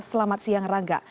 selamat siang rangga